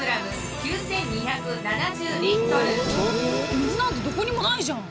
水なんてどこにもないじゃん？